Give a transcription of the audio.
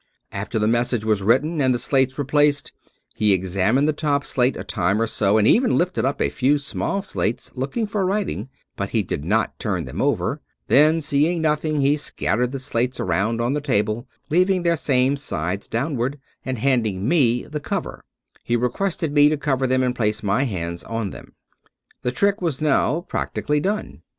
After the message was written and the slates replaced, he examined the top slate a time or so, and even lifted off a few small slates looking for writing, but did not turn them over; then seeing nothing, he scattered the slates around on the table, leaving their same sides downward; and handing me the cover, he requested me to cover them and place my hands on them. The trick was now practically done.